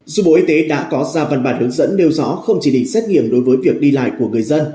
dù bộ y tế đã có ra văn bản hướng dẫn nêu rõ không chỉ để xét nghiệm đối với việc đi lại của người dân